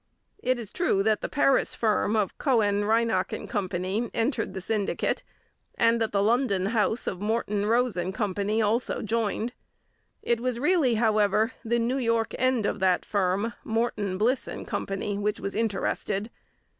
It is true that the Paris firm of Cohen, Reinach and Co. entered the syndicate, and that the London house of Morton, Rose and Co. also joined. It was really, however, the New York end of that firm, Morton, Bliss and Co., which was interested.